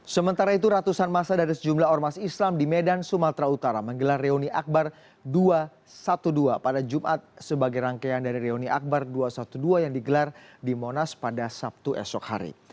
sementara itu ratusan masa dari sejumlah ormas islam di medan sumatera utara menggelar reuni akbar dua ratus dua belas pada jumat sebagai rangkaian dari reuni akbar dua ratus dua belas yang digelar di monas pada sabtu esok hari